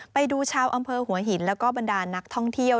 ไปดูชาวอำเภอหัวหินแล้วก็บรรดานักท่องเที่ยว